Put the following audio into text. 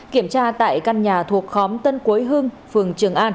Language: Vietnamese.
kiểm tra tại căn nhà thuộc khóm tân quối hương tp vĩnh long